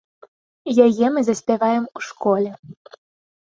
Яе мы заспяваем у школе.